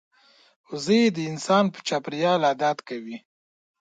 وزې د انسان په چاپېریال عادت کوي